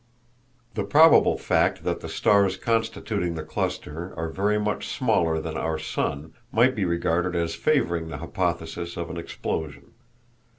The probable fact that the stars constituting the cluster are very much smaller than our sun might be regarded as favoring the hypothesis of an explosion.